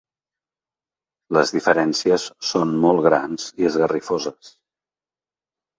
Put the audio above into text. Les diferències són molt grans i esgarrifoses.